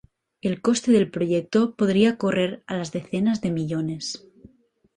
El coste del proyecto podría correr a las decenas de millones.